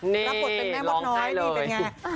รับบทเป็นแม่มดน้อยนี่เป็นไง